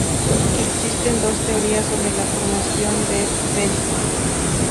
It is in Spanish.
Existen dos teorías sobre la formación del delta.